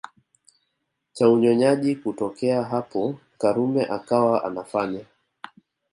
cha unyonyaji Kutokea hapo Karume akawa anafanya